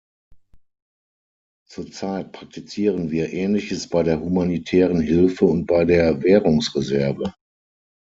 Zur Zeit praktizieren wir ähnliches bei der humanitären Hilfe und bei der Währungsreserve.